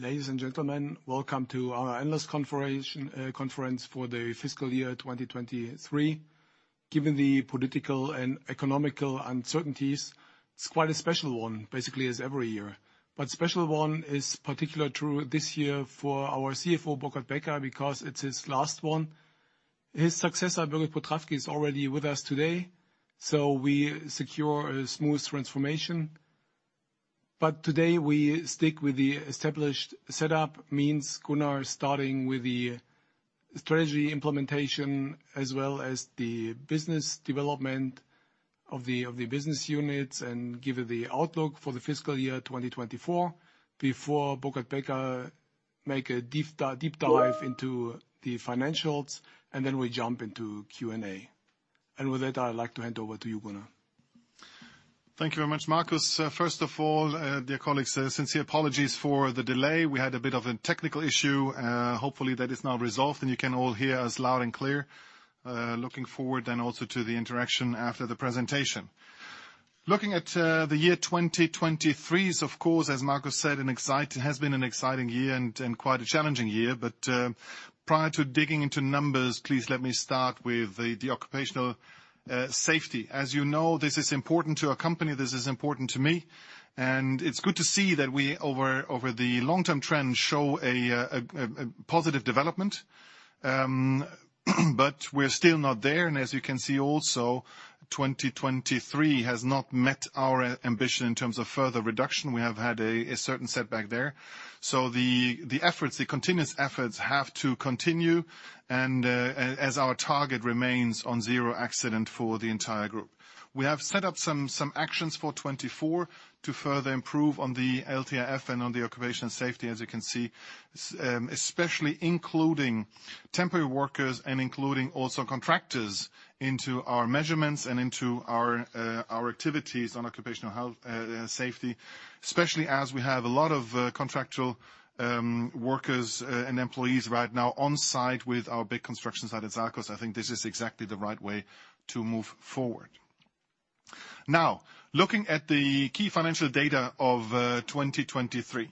Ladies and gentlemen, welcome to our analyst conference for the fiscal year 2023. Given the political and economical uncertainties, it's quite a special one, basically, as every year. But special one is particularly true this year for our CFO, Burkhard Becker, because it's his last one. His successor, Birgit Potrafki, is already with us today, so we secure a smooth transformation. But today, we stick with the established setup, means Gunnar starting with the strategy implementation, as well as the business development of the, of the business units, and give you the outlook for the fiscal year 2024, before Burkhard Becker make a deep dive into the financials, and then we jump into Q&A. And with that, I'd like to hand over to you, Gunnar. Thank you very much, Markus. First of all, dear colleagues, sincere apologies for the delay. We had a bit of a technical issue. Hopefully, that is now resolved, and you can all hear us loud and clear. Looking forward then also to the interaction after the presentation. Looking at the year 2023 is, of course, as Markus said, it has been an exciting year and quite a challenging year. But prior to digging into numbers, please let me start with the occupational safety. As you know, this is important to our company, this is important to me, and it's good to see that we, over the long-term trend, show a positive development. But we're still not there, and as you can see also, 2023 has not met our ambition in terms of further reduction. We have had a certain setback there. So the efforts, the continuous efforts, have to continue, and as our target remains on zero accident for the entire group. We have set up some actions for 2024 to further improve on the LTIF and on the occupational safety, as you can see, especially including temporary workers and including also contractors into our measurements and into our activities on occupational health, safety. Especially as we have a lot of contractual workers and employees right now on site with our big construction site at SALCOS. I think this is exactly the right way to move forward. Now, looking at the key financial data of 2023.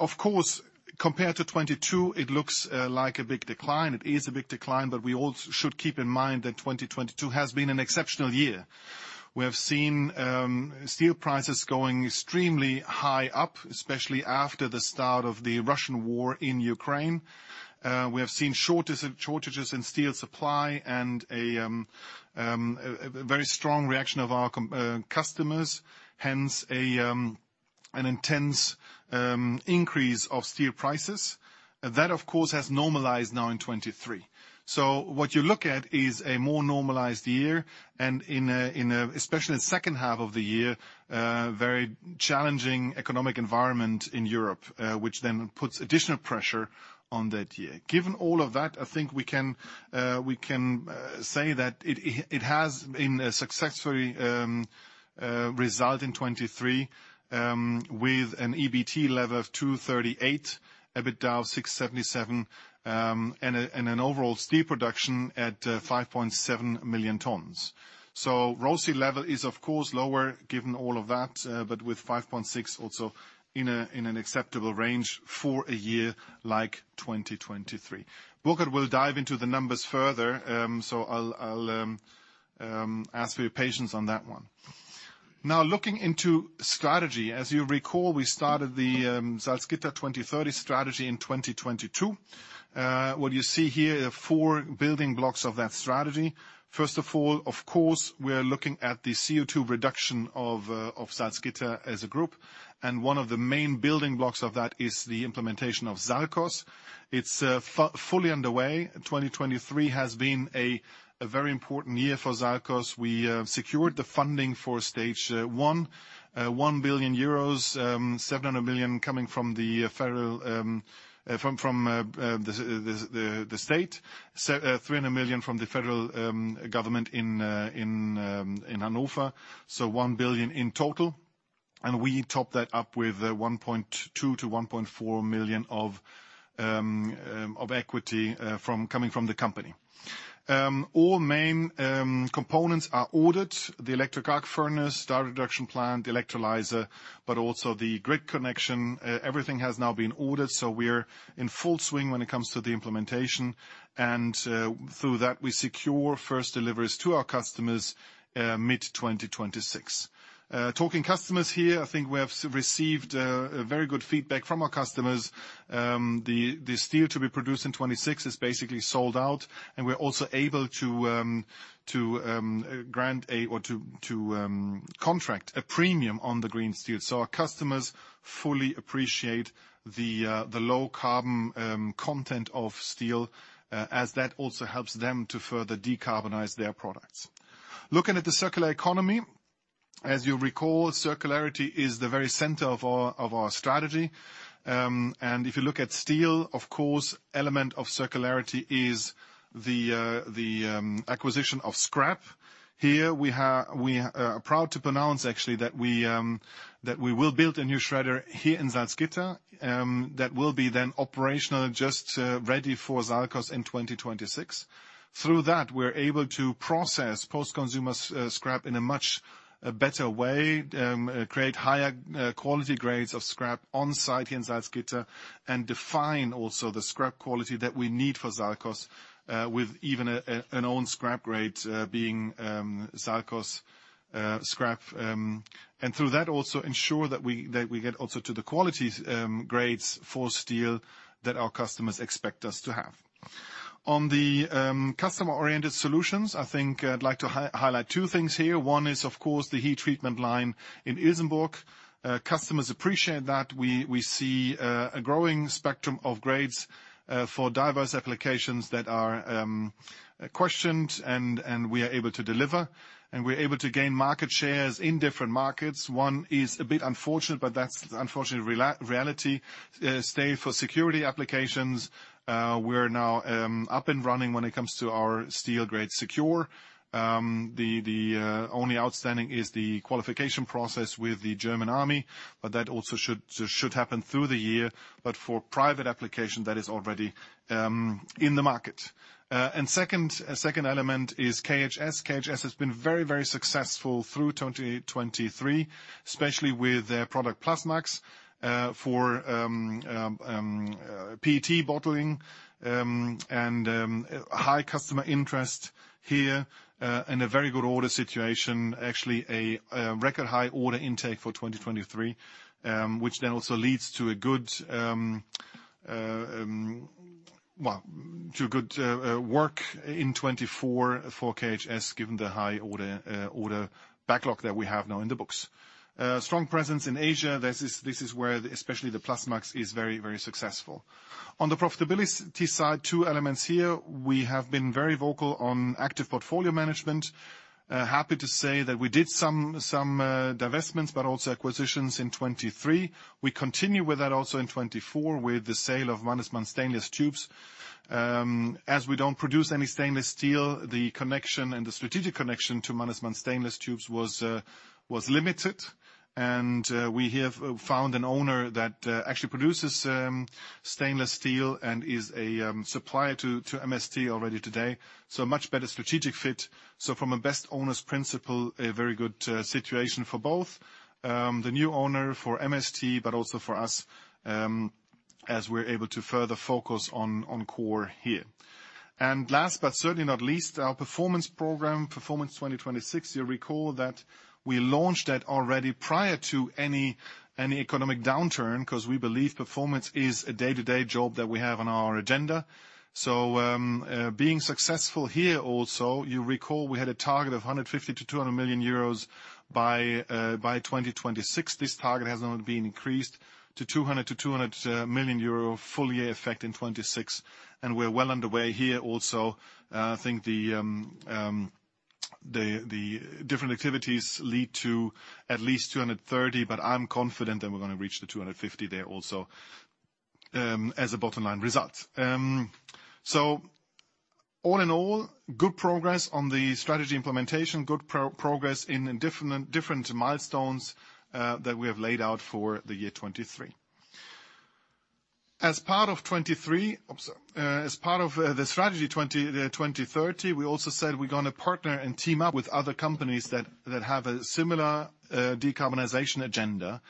Of course, compared to 2022, it looks like a big decline. It is a big decline, but we all should keep in mind that 2022 has been an exceptional year. We have seen steel prices going extremely high up, especially after the start of the Russian war in Ukraine. We have seen shortages in steel supply and a very strong reaction of our customers, hence, an intense increase of steel prices. That, of course, has normalized now in 2023. So what you look at is a more normalized year, and especially in the second half of the year, very challenging economic environment in Europe, which then puts additional pressure on that year. Given all of that, I think we can say that it has been a successful result in 2023, with an EBT level of 238, EBITDA of 677, and an overall steel production at 5.7 million tons. So ROCE level is, of course, lower given all of that, but with 5.6, also in an acceptable range for a year like 2023. Burkhard will dive into the numbers further, so I'll ask for your patience on that one. Now, looking into strategy, as you recall, we started the Salzgitter 2030 strategy in 2022. What you see here are four building blocks of that strategy. First of all, of course, we're looking at the CO₂ reduction of Salzgitter as a group, and one of the main building blocks of that is the implementation of SALCOS. It's fully underway. 2023 has been a very important year for SALCOS. We secured the funding for stage 1, 1 billion euros, 700 million coming from the state, 300 million from the federal government in Hanover, so 1 billion in total. And we top that up with 1.2 million-1.4 million of equity coming from the company. All main components are ordered, the electric arc furnace, direct reduction plant, the electrolyzer, but also the grid connection. Everything has now been ordered, so we're in full swing when it comes to the implementation, and through that, we secure first deliveries to our customers mid-2026. Talking about customers here, I think we have received a very good feedback from our customers. The steel to be produced in 2026 is basically sold out, and we're also able to grant or to contract a premium on the Green Steel. So our customers fully appreciate the low carbon content of steel as that also helps them to further decarbonize their products. Looking at the circular economy, as you recall, circularity is the very center of our strategy. And if you look at steel, of course, element of circularity is the acquisition of scrap. Here, we have... We are proud to pronounce, actually, that we will build a new shredder here in Salzgitter. That will be then operational, just ready for Salzgitter in 2026. Through that, we're able to process post-consumer scrap in a much better way, create higher quality grades of scrap on-site in Salzgitter, and define also the scrap quality that we need for Salzgitter, with even an own scrap grade, being Salzgitter scrap. And through that, also ensure that we get also to the quality grades for steel that our customers expect us to have. On the customer-oriented solutions, I think I'd like to highlight two things here. One is, of course, the heat treatment line in Ilsenburg. Customers appreciate that. We see a growing spectrum of grades for diverse applications that are questioned, and we are able to deliver, and we're able to gain market shares in different markets. One is a bit unfortunate, but that's unfortunately reality. Steel for security applications, we're now up and running when it comes to our steel grade sec.ure. The only outstanding is the qualification process with the German Army, but that also should happen through the year. But for private application, that is already in the market. And second, a second element is KHS. KHS has been very, very successful through 2023, especially with their product Plasmax for PET bottling, and high customer interest here, and a very good order situation. Actually, a record high order intake for 2023, which then also leads to a good, well, to a good work in 2024 for KHS, given the high order order backlog that we have now in the books. Strong presence in Asia. This is, this is where especially the Plasmax is very, very successful. On the profitability side, two elements here. We have been very vocal on active portfolio management. Happy to say that we did some, some divestments, but also acquisitions in 2023. We continue with that also in 2024, with the sale of Mannesmann Stainless Tubes. As we don't produce any stainless steel, the connection and the strategic connection to Mannesmann Stainless Tubes was limited, and we have found an owner that actually produces stainless steel and is a supplier to MST already today. So a much better strategic fit. So from a best owner's principle, a very good situation for both the new owner, for MST, but also for us as we're able to further focus on core here. And last, but certainly not least, our performance program, Performance 2026, you recall that we launched that already prior to any economic downturn, because we believe performance is a day-to-day job that we have on our agenda. So, being successful here also, you recall we had a target of 150-200 million euros by 2026. This target has now been increased to 200-250 million euro full year effect in 2026, and we're well underway here also. I think the different activities lead to at least 230, but I'm confident that we're gonna reach the 250 there also, as a bottom-line result. So all in all, good progress on the strategy implementation, good progress in different milestones that we have laid out for the year 2023. As part of the Salzgitter 2030 strategy, we also said we're gonna partner and team up with other companies that have a similar decarbonization agenda.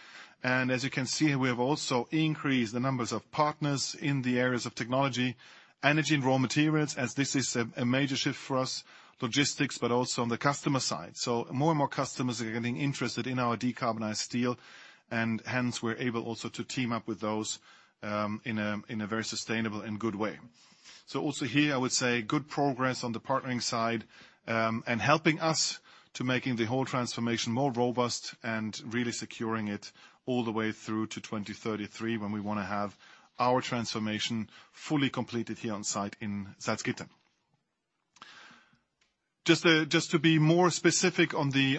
As you can see, we have also increased the numbers of partners in the areas of technology, energy, and raw materials, as this is a major shift for us, logistics, but also on the customer side. More and more customers are getting interested in our decarbonized steel, and hence, we're able also to team up with those in a very sustainable and good way. So also here, I would say, good progress on the partnering side, and helping us to making the whole transformation more robust and really securing it all the way through to 2033, when we wanna have our transformation fully completed here on site in Salzgitter. Just to be more specific on the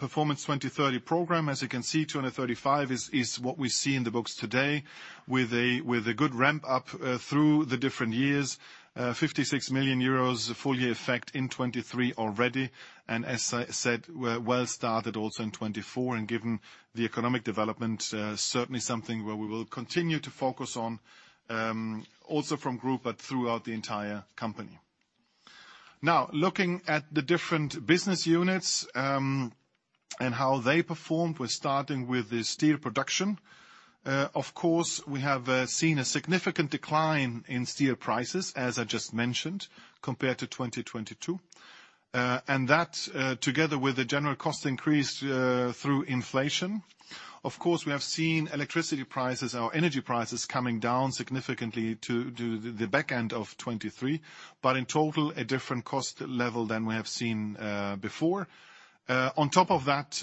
Performance 2026 program, as you can see, 235 is what we see in the books today, with a good ramp up through the different years. 56 million euros, full year effect in 2023 already, and as I said, we're well started also in 2024, and given the economic development, certainly something where we will continue to focus on, also from group, but throughout the entire company. Now, looking at the different business units, and how they performed, we're starting with the steel production. Of course, we have seen a significant decline in steel prices, as I just mentioned, compared to 2022. And that, together with the general cost increase, through inflation, of course, we have seen electricity prices or energy prices coming down significantly to the back end of 2023, but in total, a different cost level than we have seen before. On top of that,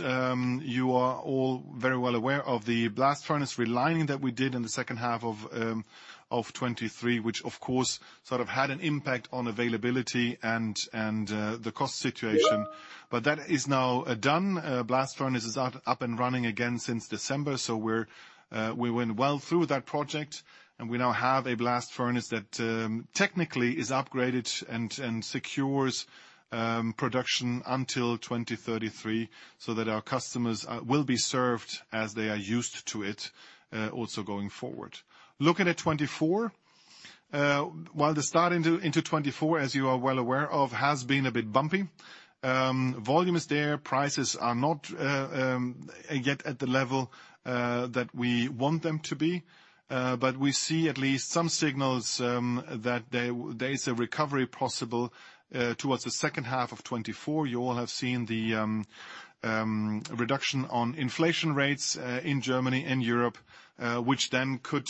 you are all very well aware of the blast furnace relining that we did in the second half of 2023, which of course, sort of had an impact on availability and the cost situation. But that is now done. Blast furnace is up and running again since December, so we went well through that project, and we now have a blast furnace that technically is upgraded and secures production until 2033, so that our customers will be served as they are used to it also going forward. Looking at 2024, while the start into 2024, as you are well aware of, has been a bit bumpy, volume is there, prices are not yet at the level that we want them to be. But we see at least some signals that there is a recovery possible towards the second half of 2024. You all have seen the reduction on inflation rates in Germany and Europe, which then could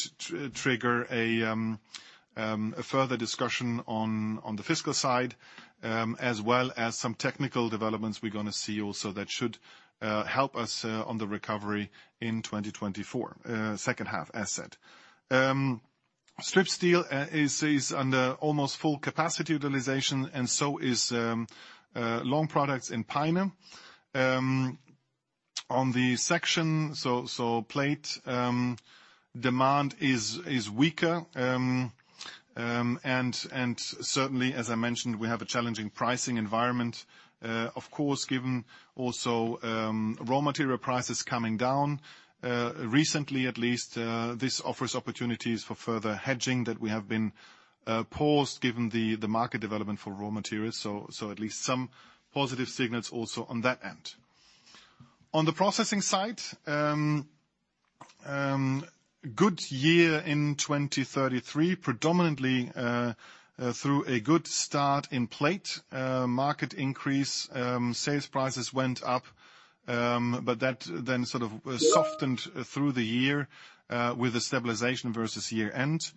trigger a further discussion on the fiscal side, as well as some technical developments we're gonna see also that should help us on the recovery in 2024, second half, as said. Strip steel is under almost full capacity utilization, and so is long products in Peine. On the section, so plate demand is weaker, and certainly, as I mentioned, we have a challenging pricing environment. Of course, given also raw material prices coming down recently at least, this offers opportunities for further hedging that we have paused, given the market development for raw materials, so at least some positive signals also on that end. On the processing side, good year in 2033, predominantly through a good start in plate. Market increase, sales prices went up, but that then sort of softened through the year, with a stabilization versus year-end.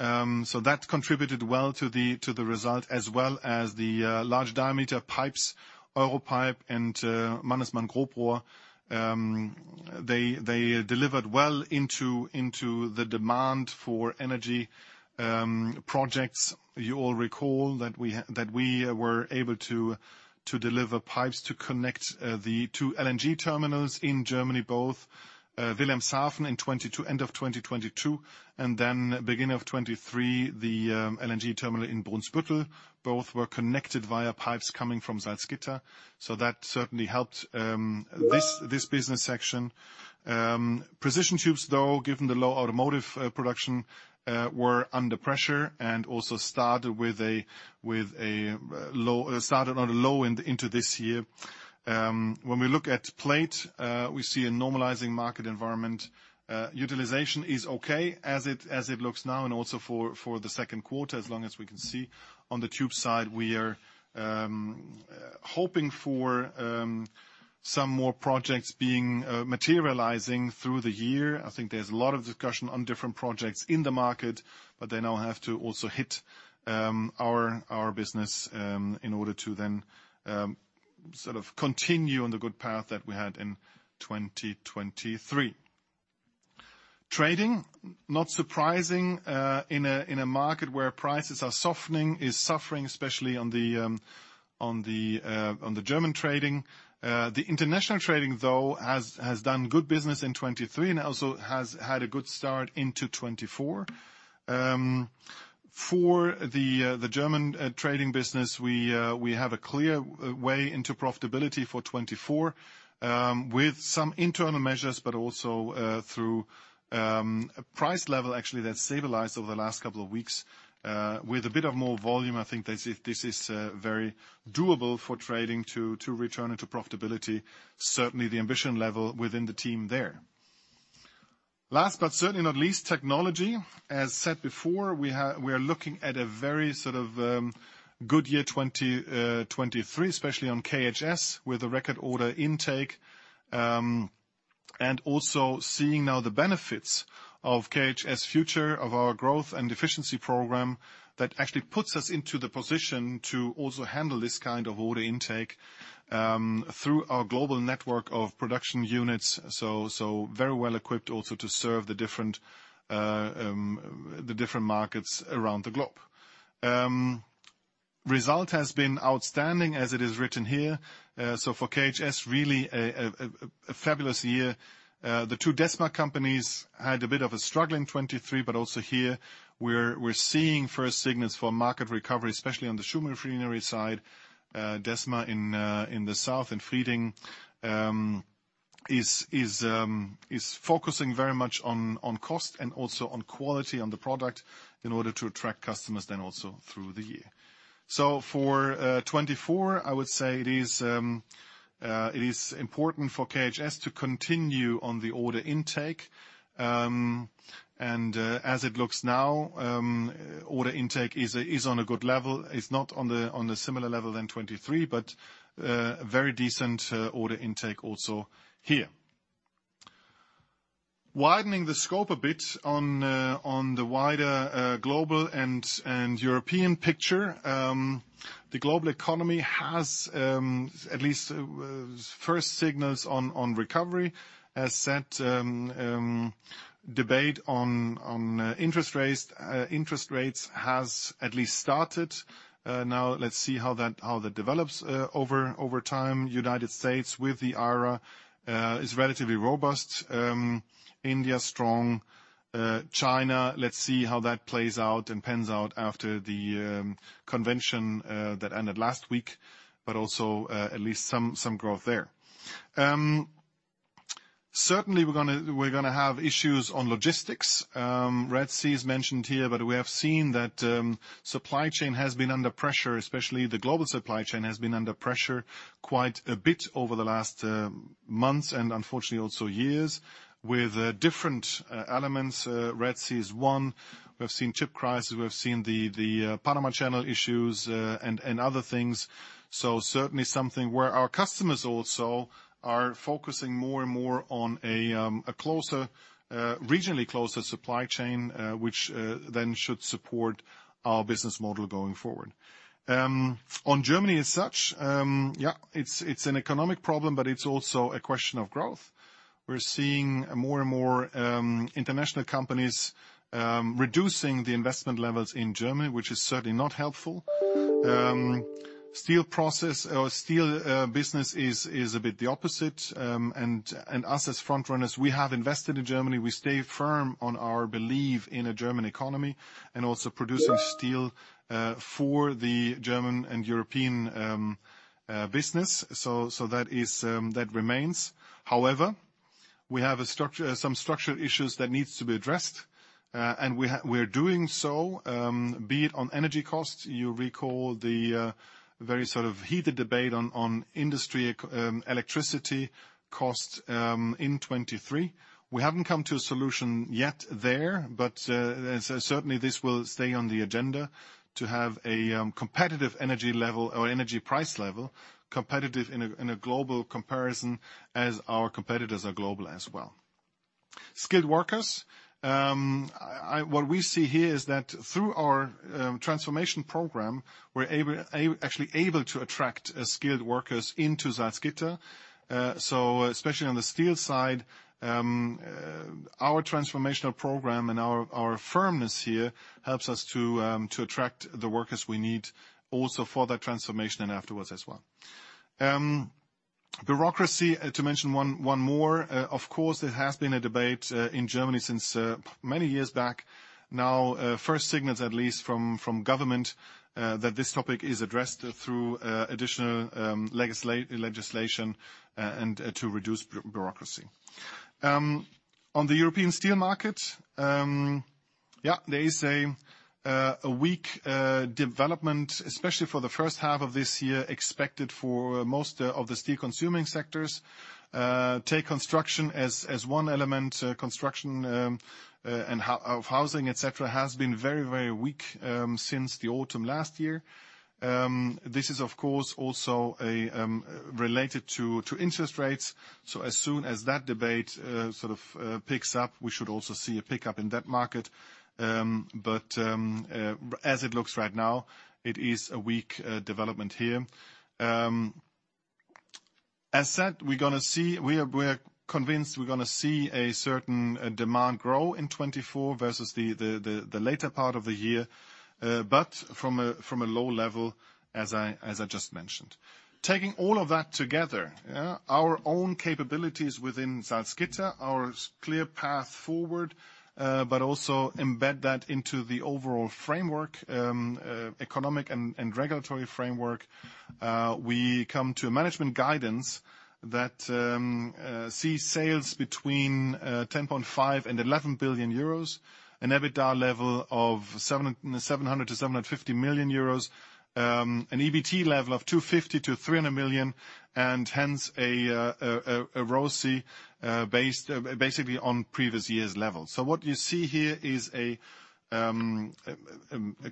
So that contributed well to the result as well as the large diameter pipes, Europipe and Mannesmann Grossrohr. They delivered well into the demand for energy projects. You all recall that we were able to deliver pipes to connect the two LNG terminals in Germany, both Wilhelmshaven in 2022—end of 2022, and then beginning of 2023, the LNG terminal in Brunsbüttel. Both were connected via pipes coming from Salzgitter, so that certainly helped this business section. Precision tubes, though, given the low automotive production, were under pressure, and also started with a low, started on a low end into this year. When we look at plate, we see a normalizing market environment. Utilization is okay, as it looks now, and also for the second quarter, as long as we can see. On the tube side, we are hoping for some more projects being materializing through the year. I think there's a lot of discussion on different projects in the market, but they now have to also hit our business in order to then sort of continue on the good path that we had in 2023. Trading, not surprising, in a market where prices are softening, is suffering, especially on the German trading. The international trading, though, has done good business in 2023 and also has had a good start into 2024. For the German trading business, we have a clear way into profitability for 2024, with some internal measures, but also through a price level, actually, that stabilized over the last couple of weeks. With a bit more volume, I think this is very doable for trading to return into profitability, certainly the ambition level within the team there. Last, but certainly not least, technology. As said before, we are looking at a very sort of good year 2023, especially on KHS, with a record order intake, and also seeing now the benefits of KHS Future, of our growth and efficiency program, that actually puts us into the position to also handle this kind of order intake, through our global network of production units. So very well equipped also to serve the different markets around the globe. Result has been outstanding, as it is written here. So for KHS, really a fabulous year. The two Desma companies had a bit of a struggle in 2023, but also here we're seeing first signals for market recovery, especially on the Schuhmaschinen side. Desma in the south, in Fridingen, is focusing very much on cost and also on quality on the product in order to attract customers then also through the year. So for 2024, I would say it is important for KHS to continue on the order intake. And as it looks now, order intake is on a good level. It's not on a similar level than 2023, but very decent order intake also here. Widening the scope a bit on the wider global and European picture, the global economy has at least first signals on recovery. As said, debate on interest rates, interest rates has at least started. Now let's see how that develops over time. United States, with the IRA, is relatively robust, India, strong, China, let's see how that plays out and pans out after the convention that ended last week, but also at least some growth there. Certainly, we're gonna have issues on logistics. Red Sea is mentioned here, but we have seen that supply chain has been under pressure, especially the global supply chain has been under pressure quite a bit over the last months, and unfortunately, also years, with different elements. Red Sea is one. We have seen chip crisis, we have seen the Panama Canal issues, and other things. So certainly something where our customers also are focusing more and more on a closer, regionally closer supply chain, which then should support our business model going forward. On Germany as such, yeah, it's an economic problem, but it's also a question of growth. We're seeing more and more international companies reducing the investment levels in Germany, which is certainly not helpful. Steel process or steel business is a bit the opposite. And us, as front runners, we have invested in Germany. We stay firm on our belief in a German economy and also producing steel for the German and European business. So that remains. However, we have some structural issues that needs to be addressed, and we're doing so, be it on energy costs. You recall the very sort of heated debate on industry electricity costs in 2023. We haven't come to a solution yet there, but certainly, this will stay on the agenda to have a competitive energy level or energy price level, competitive in a global comparison, as our competitors are global as well. Skilled workers. I... What we see here is that through our transformation program, we're able, actually able to attract skilled workers into Salzgitter. So especially on the steel side, our transformational program and our firmness here helps us to attract the workers we need also for that transformation and afterwards as well. Bureaucracy, to mention one more. Of course, there has been a debate in Germany since many years back. Now, first signals, at least from government, that this topic is addressed through additional legislation and to reduce bureaucracy. On the European steel market, yeah, there is a weak development, especially for the first half of this year, expected for most of the steel-consuming sectors. Take construction as one element. Construction, and housing, et cetera, has been very, very weak, since the autumn last year. This is, of course, also related to interest rates, so as soon as that debate sort of picks up, we should also see a pickup in that market. But as it looks right now, it is a weak development here. As said, we're gonna see—we are, we're convinced we're gonna see a certain demand grow in 2024 versus the later part of the year, but from a low level, as I just mentioned. Taking all of that together, yeah, our own capabilities within Salzgitter, our clear path forward, but also embed that into the overall framework, economic and regulatory framework, we come to a management guidance that sees sales between 10.5 billion and 11 billion euros, an EBITDA level of 700 million-750 million euros, an EBT level of 250 million-300 million, and hence, a ROCE based basically on previous year's level. So what you see here is a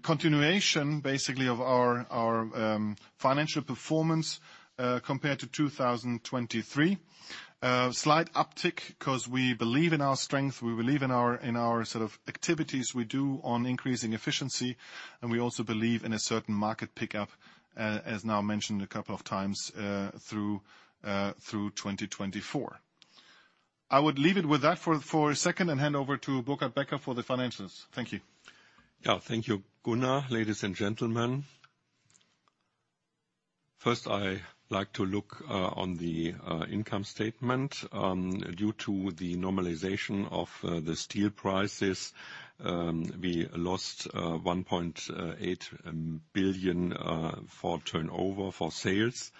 continuation, basically, of our financial performance compared to 2023. Slight uptick, 'cause we believe in our strength, we believe in our, in our sort of activities we do on increasing efficiency, and we also believe in a certain market pickup, as now mentioned a couple of times, through 2024. I would leave it with that for, for a second and hand over to Burkhard Becker for the financials. Thank you. Yeah, thank you, Gunnar. Ladies and gentlemen, first, I like to look on the income statement. Due to the normalization of the steel prices, we lost 1.8 billion for turnover, for sales.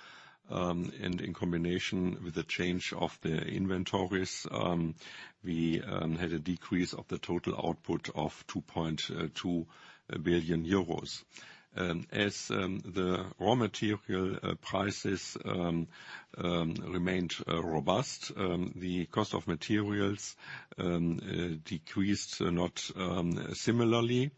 And in combination with the change of the inventories, we had a decrease of the total output of 2.2 billion euros. As the raw material prices remained robust, the cost of materials decreased not similarly.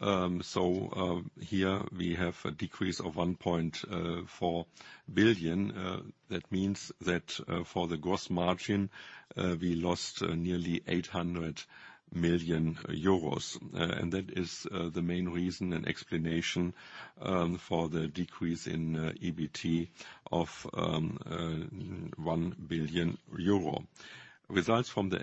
So, here, we have a decrease of 1.4 billion. That means that, for the gross margin, we lost nearly 800 million euros, and that is the main reason and explanation for the decrease in EBT of 1 billion euro. Results from the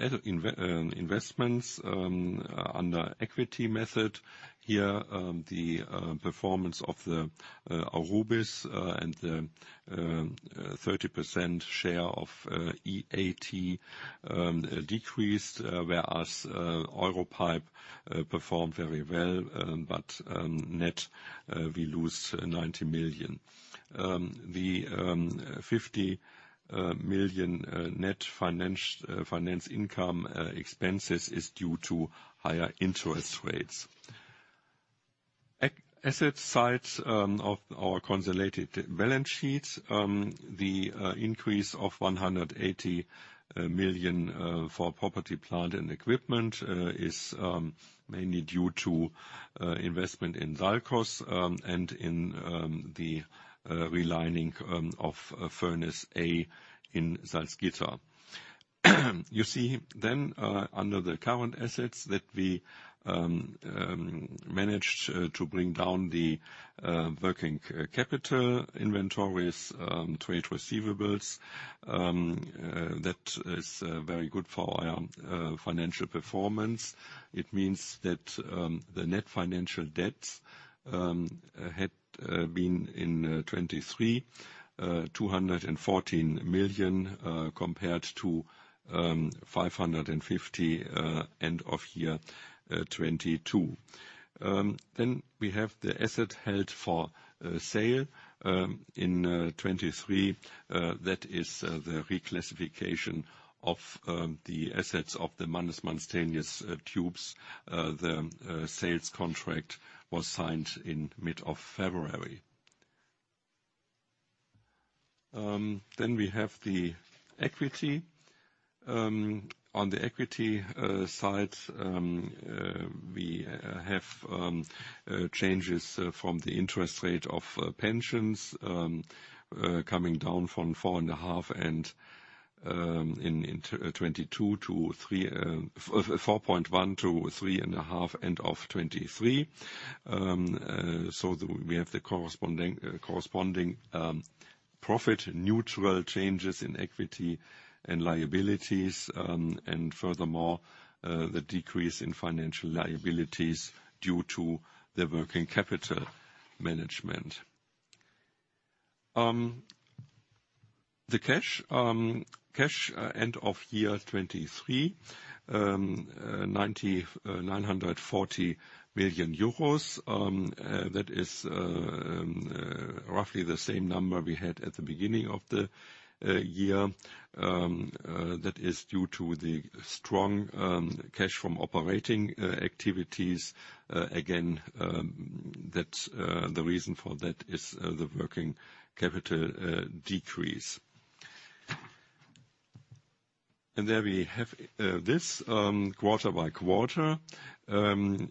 investments under equity method. Here, the performance of the Aurubis and the 30% share of HKM decreased, whereas Europipe performed very well, but net we lose 90 million. The 50 million net finance expenses is due to higher interest rates. Asset sides of our consolidated balance sheets, the increase of 180 million for property, plant, and equipment is mainly due to investment in SALCOS and in the relining of Furnace A in Salzgitter. You see then, under the current assets that we managed to bring down the working capital inventories, trade receivables, that is very good for our financial performance. It means that the net financial debts had been in 2023, 214 million, compared to 550 million end of year 2022. Then we have the asset held for sale in 2023. That is the reclassification of the assets of the Mannesmann Tubes; the sales contract was signed in mid of February. Then we have the equity. On the equity side, we have changes from the interest rate of pensions coming down from 4.5 in 2022 to 3.41 to 3.5 end of 2023. So we have the corresponding profit neutral changes in equity and liabilities, and furthermore, the decrease in financial liabilities due to the working capital management. The cash end of 2023, EUR 940 million, that is roughly the same number we had at the beginning of the year. That is due to the strong cash from operating activities. Again, that's the reason for that is the working capital decrease. And there we have this quarter by quarter coming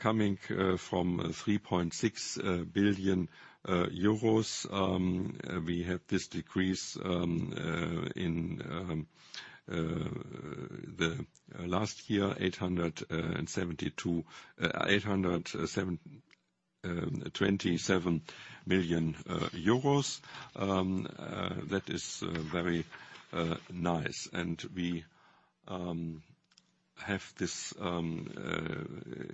from 3.6 billion euros. We have this decrease in the last year, 827 million euros. That is very nice, and we have this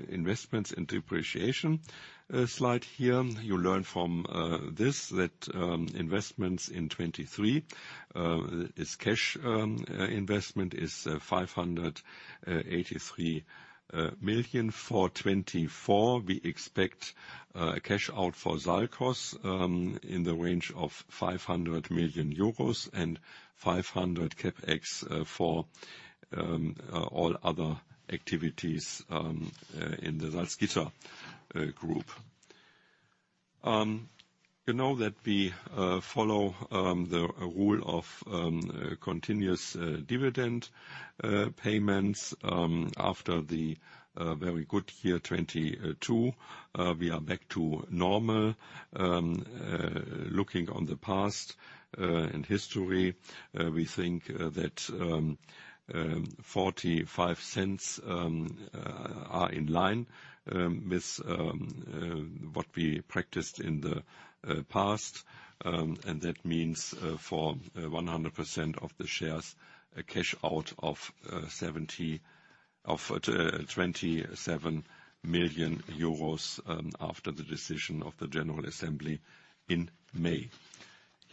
investments and depreciation slide here. You learn from this that investments in 2023 is cash investment is 583 million. For 2024, we expect a cash out for SALCOS in the range of 500 million euros and 500 CapEx for all other activities in the Salzgitter Group. You know that we follow the rule of continuous dividend payments after the very good year 2022. We are back to normal. Looking on the past and history, we think that 45 cents are in line with what we practiced in the past. And that means for 100% of the shares, a cash out of seventy... of 27 million euros after the decision of the General Assembly in May.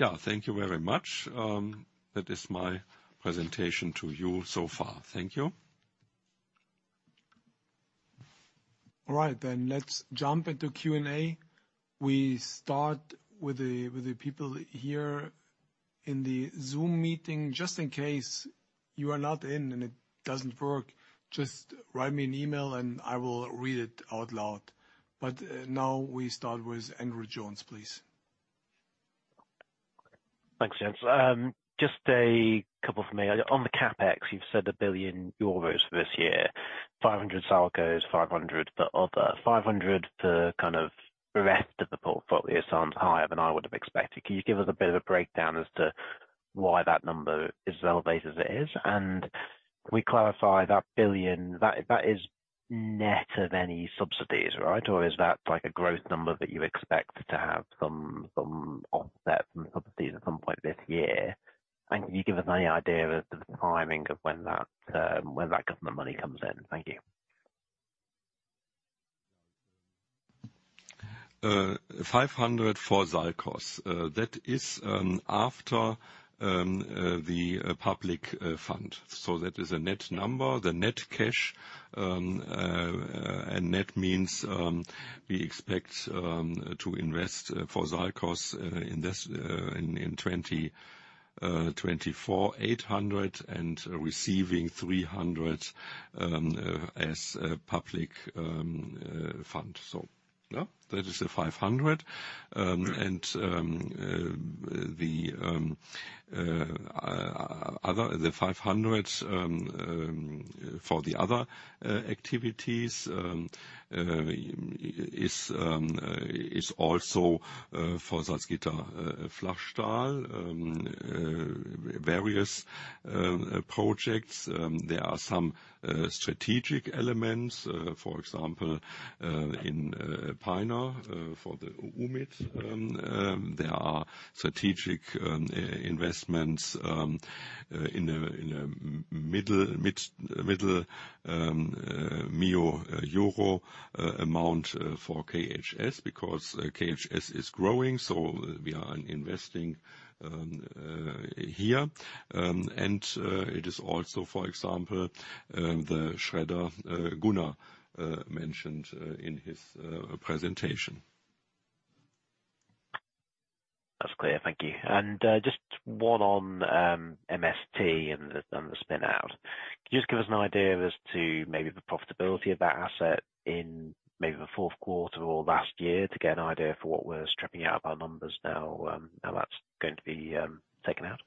Yeah, thank you very much. That is my presentation to you so far. Thank you. All right, then let's jump into Q&A. We start with the people here in the Zoom meeting, just in case you are not in and it doesn't work, just write me an email and I will read it out loud. But now we start with Andrew Jones, please. Thanks, Jens. Just a couple for me. On the CapEx, you've said 1 billion euros for this year, 500 SALCOS, 500 the other. 500 for kind of the rest of the portfolio sounds higher than I would have expected. Can you give us a bit of a breakdown as to why that number is as elevated as it is? And can we clarify that billion, that, that is net of any subsidies, right? Or is that like a growth number that you expect to have some, some offset from subsidies at some point this year? And can you give us any idea of the timing of when that, when that government money comes in? Thank you. 500 for Salzgitter. That is after the public fund. So that is a net number. The net cash, and net means we expect to invest for Salzgitter in 2024, 800, and receiving 300 as a public fund. So, yeah, that is the 500. And the other five hundred for the other activities is also for Salzgitter Flachstahl. Various projects. There are some strategic elements, for example, in Peine for the U-Mill. There are strategic investments in a mid-million EUR amount for KHS, because KHS is growing, so we are investing here. It is also, for example, the shredder Gunnar mentioned in his presentation. That's clear. Thank you. And just one on MST and the spin out. Can you just give us an idea as to maybe the profitability of that asset in maybe the fourth quarter or last year, to get an idea for what we're stripping out of our numbers now, now that's going to be taken out?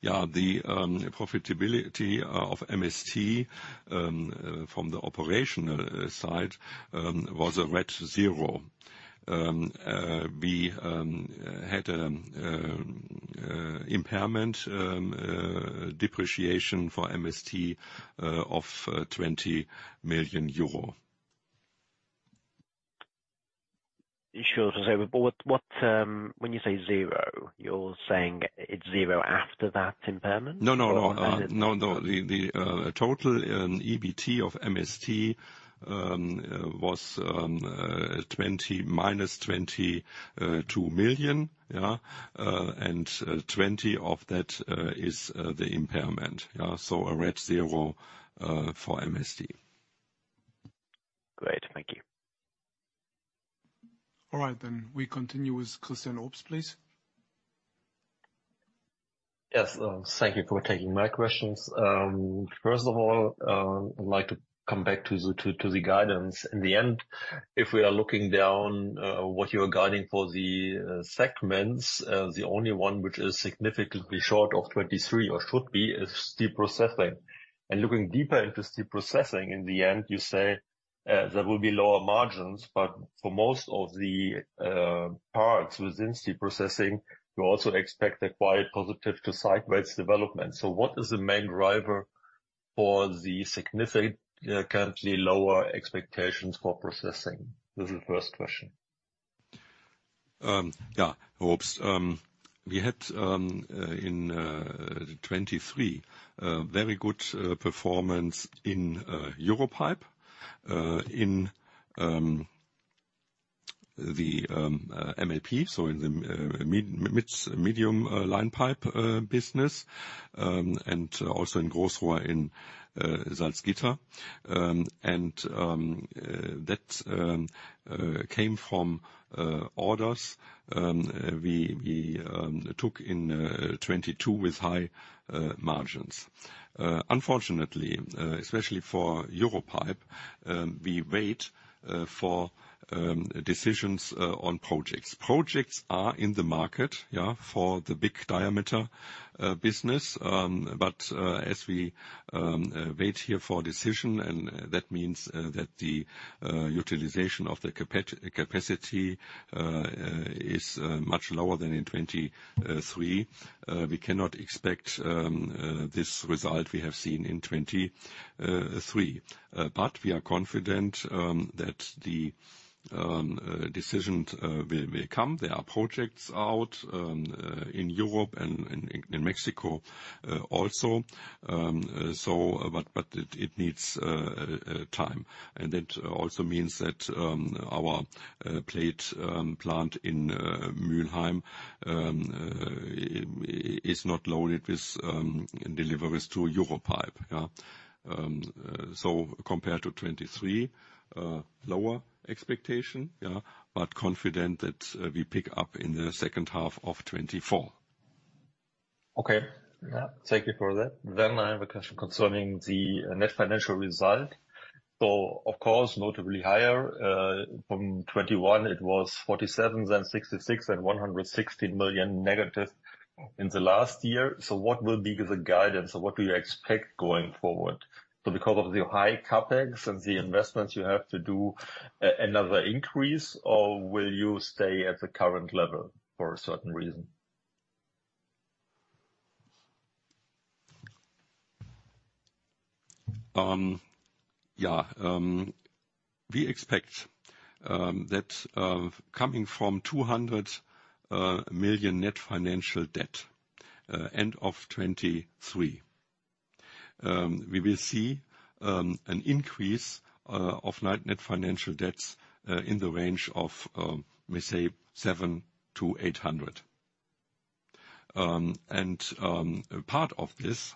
Yeah, the profitability of MST from the operational side was a red zero. We had a impairment depreciation for MST of EUR 20 million. Sure. But what, what, when you say zero, you're saying it's zero after that impairment? No, no, no. No, no. The total in EBT of MST was minus 22 million, yeah. And 20 of that is the impairment. Yeah, so a red zero for MST. Great, thank you. All right, then we continue with Christian Obst, please. Yes, thank you for taking my questions. First of all, I'd like to come back to the, to the guidance. In the end, if we are looking down, what you are guiding for the segments, the only one which is significantly short of 2023, or should be, is steel processing. And looking deeper into steel processing, in the end, you say, there will be lower margins, but for most of the parts within steel processing, you also expect a quite positive to sideways development. So what is the main driver for the significant, currently lower expectations for processing? This is the first question. Yeah, Obst. We had in 2023 a very good performance in Europipe, in the MLP, so in the medium line pipe business, and also in Großrohr in Salzgitter. And that came from orders we took in 2022 with high margins. Unfortunately, especially for Europipe, we wait for decisions on projects. Projects are in the market, yeah, for the big diameter business, but as we wait here for a decision, and that means that the utilization of the capacity is much lower than in 2023. We cannot expect this result we have seen in 2023. But we are confident that the decisions will come. There are projects out in Europe and in Mexico also. So but it needs time. And that also means that our plate plant in Mülheim is not loaded with deliveries to Europipe, yeah? So compared to 2023, a lower expectation, yeah, but confident that we pick up in the second half of 2024. Okay. Yeah, thank you for that. Then I have a question concerning the net financial result. So of course, notably higher from 2021, it was 47 million, then 66 million, and 160 million negative in the last year. So what will be the guidance, or what do you expect going forward? So because of the high CapEx and the investments you have to do, another increase, or will you stay at the current level for a certain reason?... Yeah, we expect that coming from 200 million net financial debt end of 2023, we will see an increase of net financial debts in the range of we say 700-800. And part of this,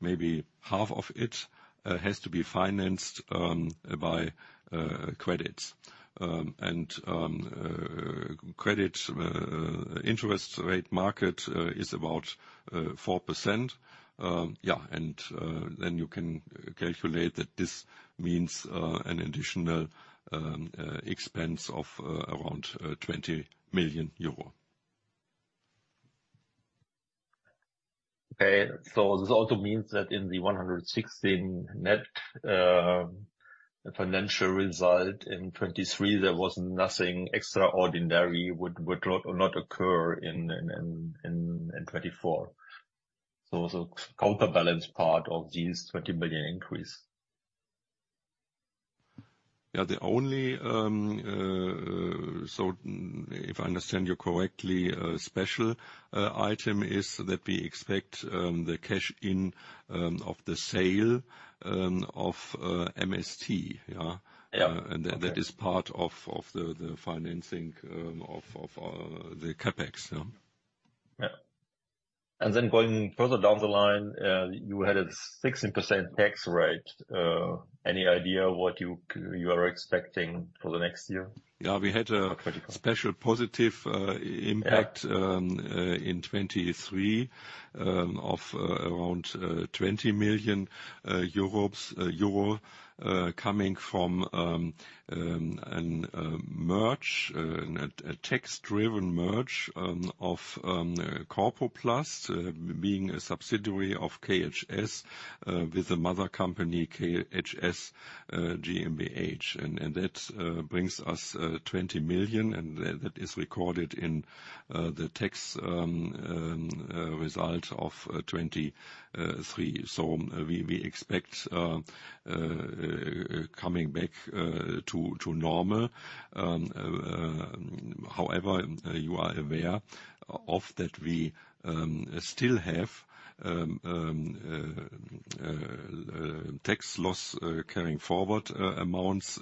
maybe half of it, has to be financed by credits. And credit interest rate market is about 4%. Yeah, and then you can calculate that this means an additional expense of around EUR 20 million. Okay, so this also means that in the 116 net financial result in 2023, there was nothing extraordinary would not occur in 2024. So the counterbalance part of this 20 billion increase? Yeah, the only special item is that we expect the cash in of the sale of MST, yeah. Yeah. That is part of the financing of the CapEx. Yeah. Yeah. And then going further down the line, you had a 16% tax rate. Any idea what you, you are expecting for the next year? Yeah, we had a- Critical... special positive, impact- Yeah... in 2023, of around EUR 20 million coming from a tax-driven merger of Corpoplast, being a subsidiary of KHS, with the mother company, KHS GmbH. And that brings us 20 million, and that is recorded in the tax result of 2023. So we expect coming back to normal. However, you are aware of that we still have tax loss carrying forward amounts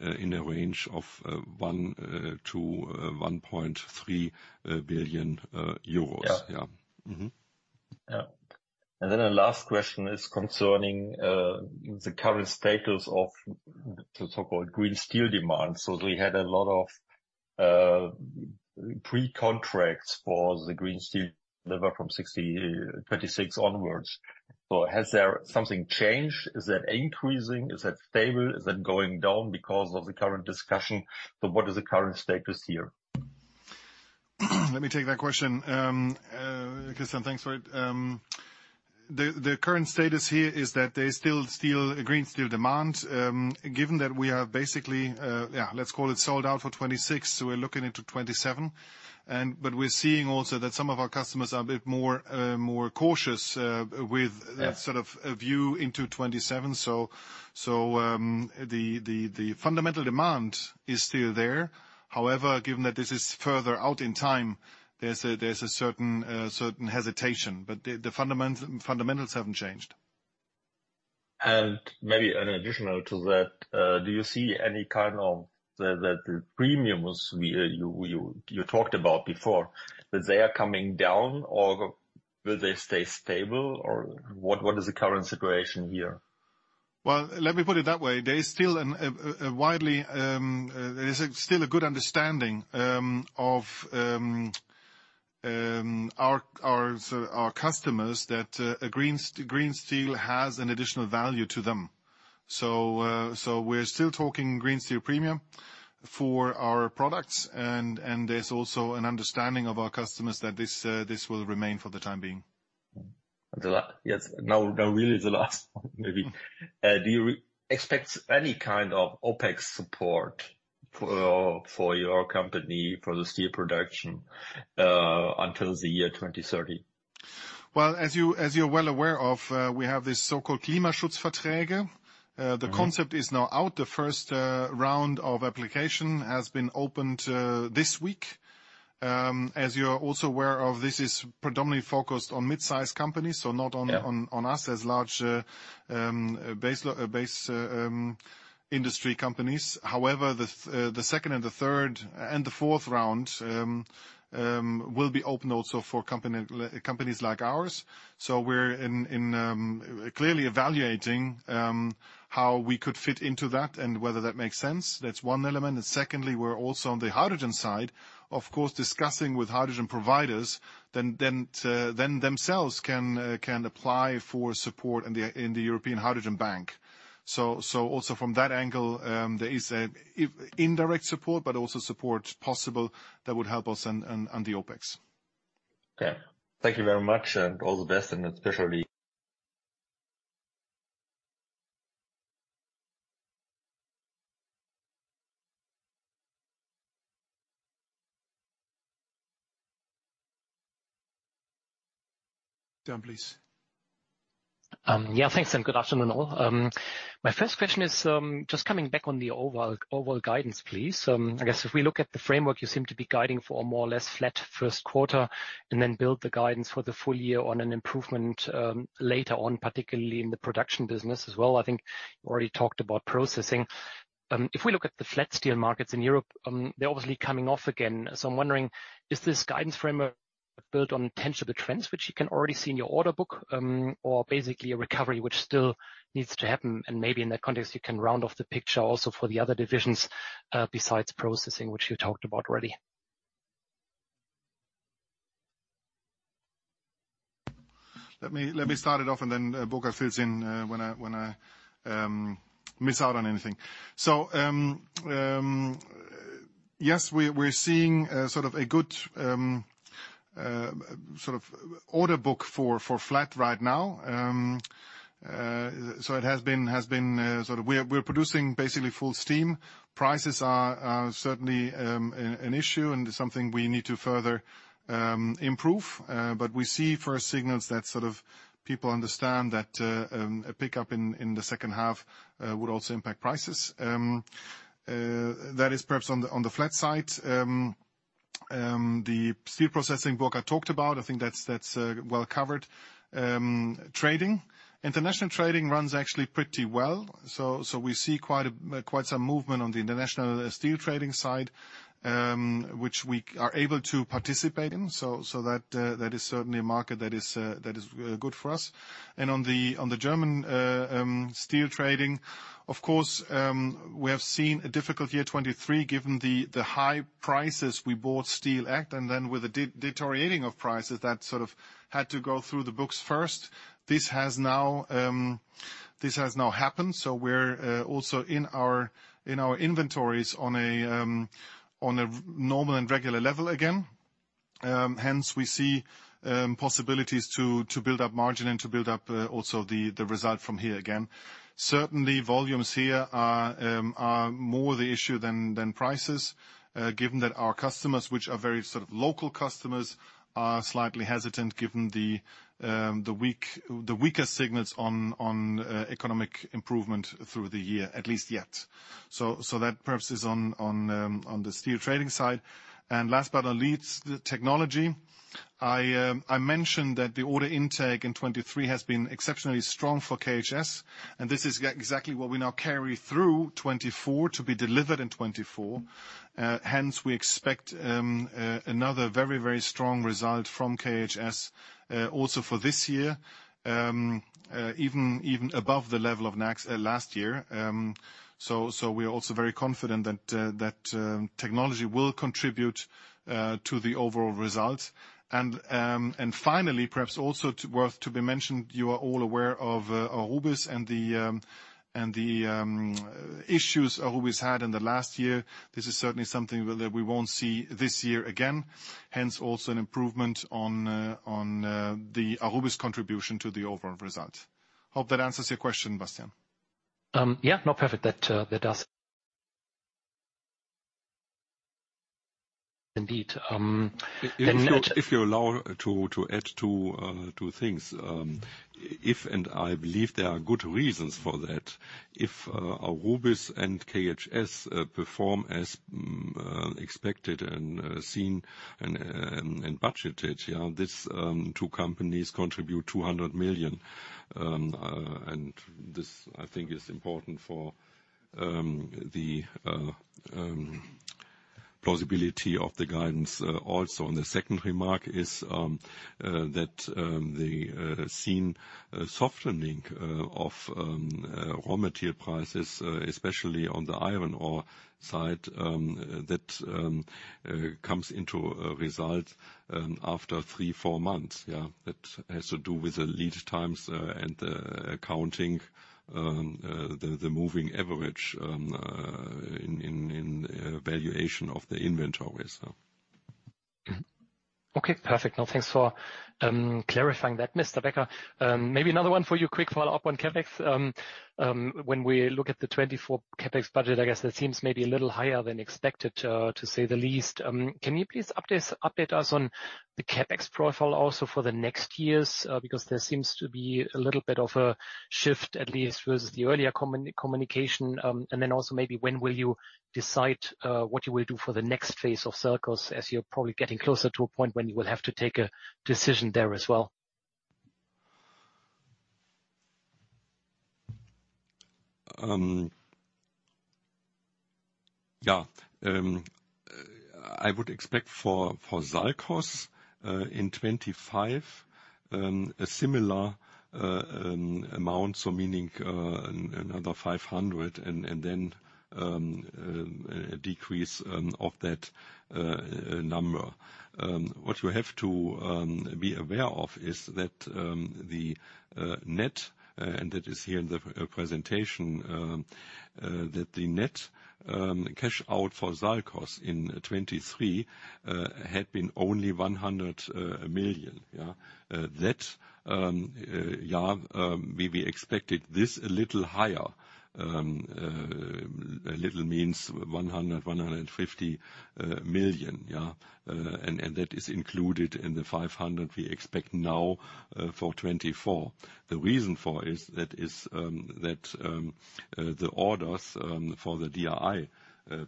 in a range of 1-1.3 billion euros. Yeah. Yeah. Mm-hmm. Yeah. And then the last question is concerning the current status of the so-called green steel demand. So we had a lot of pre-contracts for the green steel delivery from 2026 onwards. So has there something changed? Is that increasing? Is that stable? Is that going down because of the current discussion? So what is the current status here? Let me take that question. Christian, thanks for it. The current status here is that there is still steel, green steel demand. Given that we are basically, let's call it sold out for 2026, so we're looking into 2027. And but we're seeing also that some of our customers are a bit more cautious with- Yeah... that sort of a view into 2027. So, the fundamental demand is still there. However, given that this is further out in time, there's a certain hesitation, but the fundamentals haven't changed. Maybe an additional to that, do you see any kind of the premiums you talked about before, that they are coming down, or will they stay stable, or what is the current situation here? Well, let me put it that way. There is still a good understanding of our customers that green steel has an additional value to them. So, we're still talking green steel premium for our products, and there's also an understanding of our customers that this will remain for the time being. Yes, now, now really the last one, maybe. Do you expect any kind of OpEx support for, for your company, for the steel production, until the year 2030? Well, as you're well aware of, we have this so-called Klimaschutzverträge. Mm-hmm. The concept is now out. The first round of application has been opened this week. As you are also aware of, this is predominantly focused on mid-sized companies, so not on- Yeah... on us as large basic industry companies. However, the second and the third and the fourth round will be open also for companies like ours. So we're clearly evaluating how we could fit into that and whether that makes sense. That's one element. And secondly, we're also on the hydrogen side, of course, discussing with hydrogen providers, then themselves can apply for support in the European Hydrogen Bank. So also from that angle, there is an indirect support, but also support possible that would help us on the OpEx. Okay. Thank you very much, and all the best, and especially- ... Down, please. Yeah, thanks, and good afternoon, all. My first question is, just coming back on the overall, overall guidance, please. I guess if we look at the framework, you seem to be guiding for a more or less flat first quarter, and then build the guidance for the full year on an improvement, later on, particularly in the production business as well. I think you already talked about processing. If we look at the flat steel markets in Europe, they're obviously coming off again, so I'm wondering, is this guidance framework built on tangible trends which you can already see in your order book, or basically a recovery which still needs to happen? And maybe in that context, you can round off the picture also for the other divisions, besides processing, which you talked about already. Let me, let me start it off, and then Volker fills in when I, when I miss out on anything. So, yes, we're seeing sort of a good sort of order book for flat right now. So it has been, has been sort of we're producing basically full steam. Prices are certainly an issue, and something we need to further improve, but we see first signals that sort of people understand that a pickup in the second half would also impact prices. That is perhaps on the flat side. The steel processing Volker talked about, I think that's well covered. Trading. International trading runs actually pretty well, so we see quite a, quite some movement on the international steel trading side, which we are able to participate in. So that is certainly a market that is good for us. And on the German steel trading, of course, we have seen a difficult year 2023, given the high prices we bought steel at, and then with the deteriorating of prices, that sort of had to go through the books first. This has now happened, so we're also in our inventories on a normal and regular level again. Hence, we see possibilities to build up margin and to build up also the result from here again. Certainly, volumes here are more the issue than prices, given that our customers, which are very sort of local customers, are slightly hesitant, given the weaker signals on economic improvement through the year, at least yet. So, that perhaps is on the steel trading side. Last but not least, the technology. I mentioned that the order intake in 2023 has been exceptionally strong for KHS, and this is exactly what we now carry through 2024 to be delivered in 2024. Hence, we expect another very, very strong result from KHS, also for this year, even above the level of next, last year. So, we are also very confident that technology will contribute to the overall result. Finally, perhaps also worth to be mentioned, you are all aware of Aurubis and the issues Aurubis had in the last year. This is certainly something that we won't see this year again, hence, also an improvement on the Aurubis contribution to the overall result. Hope that answers your question, Bastian. Yeah, no, perfect. That, that does indeed. If you allow to add two things. If, and I believe there are good reasons for that, if Aurubis and KHS perform as expected and seen and budgeted, yeah, these two companies contribute 200 million. And this, I think, is important for the plausibility of the guidance. Also, on the second remark is that the seen softening of raw material prices, especially on the iron ore side, that comes into result after 3-4 months, yeah. That has to do with the lead times and the accounting, the moving average in valuation of the inventory, so. Okay, perfect. No, thanks for clarifying that, Mr. Becker. Maybe another one for you, quick follow-up on CapEx. When we look at the 2024 CapEx budget, I guess it seems maybe a little higher than expected, to say the least. Can you please update us on the CapEx profile also for the next years? Because there seems to be a little bit of a shift, at least versus the earlier communication. And then also, maybe when will you decide what you will do for the next phase of circuits, as you're probably getting closer to a point when you will have to take a decision there as well? Yeah. I would expect for SALCOS in 2025 a similar amount, so meaning another 500 million, and then a decrease of that number. What you have to be aware of is that the net, and that is here in the presentation, that the net cash out for SALCOS in 2023 had been only 100 million, yeah? That, yeah, we expected this a little higher. A little means 100-150 million, yeah? And that is included in the 500 million we expect now for 2024. The reason for that is that the orders for the DRI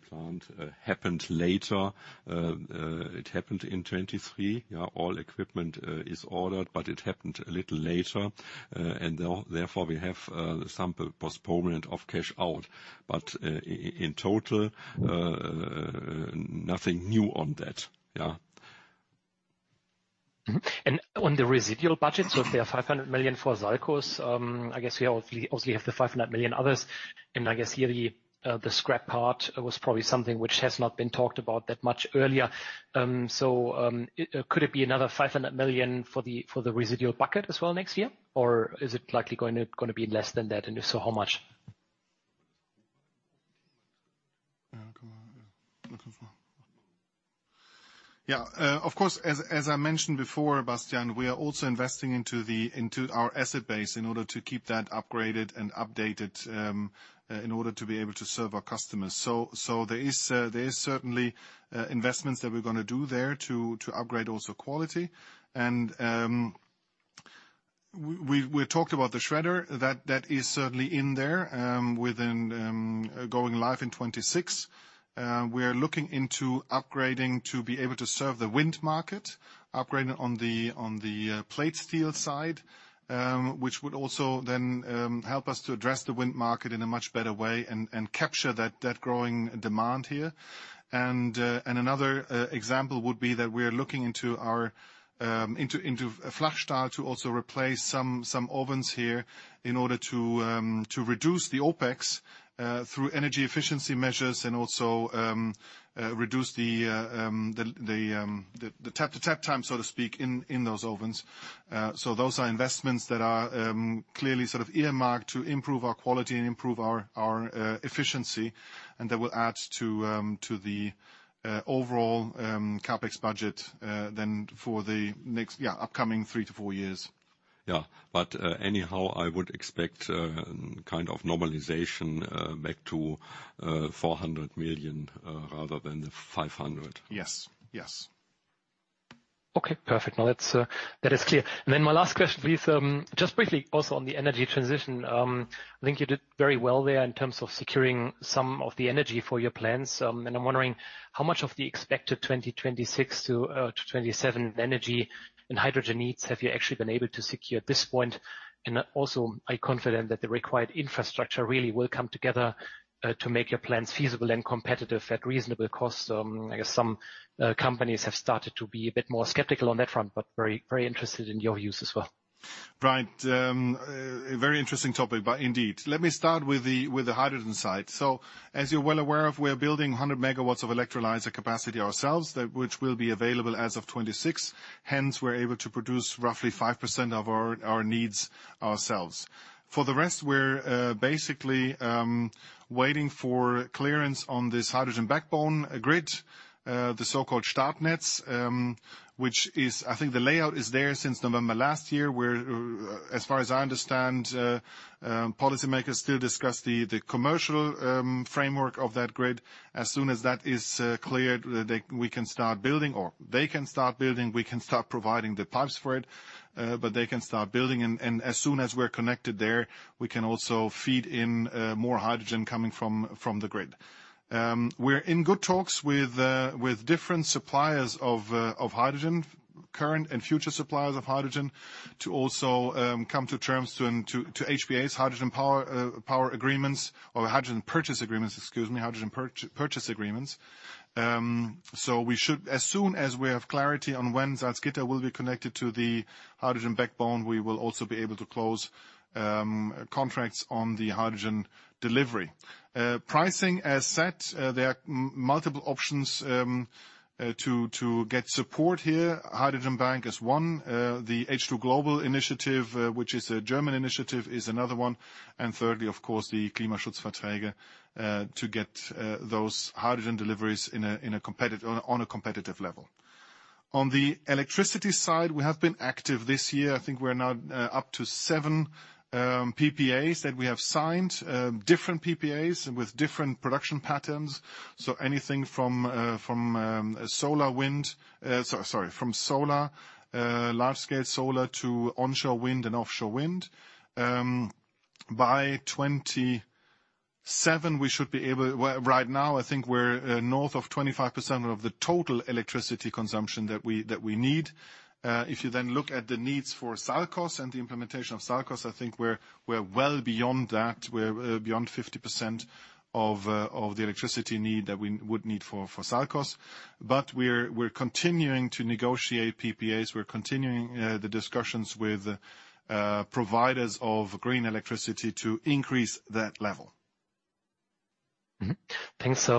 plant happened later. It happened in 2023. Yeah, all equipment is ordered, but it happened a little later. Therefore, we have some postponement of cash out, but in total, nothing new on that. Yeah. Mm-hmm. On the residual budget, if there are 500 million for SALCOS, I guess we obviously, obviously have the 500 million others, and I guess here the scrap part was probably something which has not been talked about that much earlier. Could it be another 500 million for the residual bucket as well next year? Or is it likely going to be less than that, and if so, how much? Yeah, of course, as I mentioned before, Bastian, we are also investing into our asset base in order to keep that upgraded and updated, in order to be able to serve our customers. So, there is certainly investments that we're gonna do there to upgrade also quality. And, we talked about the shredder, that is certainly in there, within going live in 2026. We are looking into upgrading to be able to serve the wind market, upgrading on the plate steel side, which would also then help us to address the wind market in a much better way and capture that growing demand here. And another example would be that we are looking into our Flachstahl to also replace some ovens here in order to reduce the OpEx through energy efficiency measures and also reduce the tap to tap time, so to speak, in those ovens. So those are investments that are clearly sort of earmarked to improve our quality and improve our efficiency, and that will add to the overall CapEx budget then for the next upcoming three to four years. Yeah, but, anyhow, I would expect kind of normalization back to 400 million rather than the 500 million. Yes. Yes. Okay, perfect. Now, that's, that is clear. And then my last question, please, just briefly also on the energy transition. I think you did very well there in terms of securing some of the energy for your plans. And I'm wondering, how much of the expected 2026-2027 energy and hydrogen needs have you actually been able to secure at this point? And also, are you confident that the required infrastructure really will come together, to make your plans feasible and competitive at reasonable costs? I guess some, companies have started to be a bit more skeptical on that front, but very, very interested in your use as well. Right. A very interesting topic, but indeed. Let me start with the hydrogen side. So as you're well aware of, we are building 100 MW of electrolyzer capacity ourselves, that which will be available as of 2026. Hence, we're able to produce roughly 5% of our needs ourselves. For the rest, we're basically waiting for clearance on this hydrogen backbone grid, the so-called Startnetz, which is... I think the layout is there since November last year, where, as far as I understand, policymakers still discuss the commercial framework of that grid. As soon as that is cleared, they- we can start building, or they can start building, we can start providing the pipes for it, but they can start building. As soon as we're connected there, we can also feed in more hydrogen coming from the grid. We're in good talks with different suppliers of hydrogen, current and future suppliers of hydrogen, to also come to terms to HPAs, hydrogen power power agreements or hydrogen purchase agreements, excuse me, hydrogen purchase agreements. As soon as we have clarity on when Salzgitter will be connected to the hydrogen backbone, we will also be able to close contracts on the hydrogen delivery. Pricing, as set, there are multiple options to get support here. Hydrogen Bank is one, the H2Global Initiative, which is a German initiative, is another one, and thirdly, of course, the Klimaschutzverträge, to get, those hydrogen deliveries in a, in a competitive, on a competitive level. On the electricity side, we have been active this year. I think we're now, up to 7 PPAs that we have signed, different PPAs with different production patterns. So anything from, from, solar, wind, sorry, sorry, from solar, large-scale solar to onshore wind and offshore wind. By 2027, we should be able... Well, right now, I think we're, north of 25% of the total electricity consumption that we, that we need. If you then look at the needs for SALCOS and the implementation of SALCOS, I think we're, we're well beyond that. We're beyond 50% of the electricity need that we would need for SALCOS. But we're continuing to negotiate PPAs. We're continuing the discussions with providers of green electricity to increase that level. Mm-hmm. Thanks.